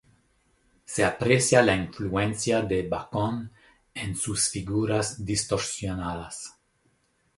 Se aprecia la influencia de Bacon en sus figuras distorsionadas.